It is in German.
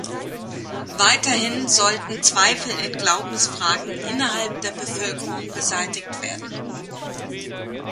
Weiterhin sollten Zweifel in Glaubensfragen innerhalb der Bevölkerung beseitigt werden.